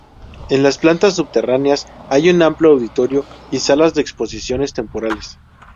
En las plantas subterráneas hay un amplio auditorio y salas de exposiciones temporales.